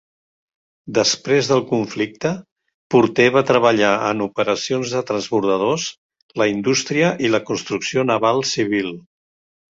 Després del conflicte, Porter va treballar en operacions de transbordadors, la indústria i la construcció naval civil.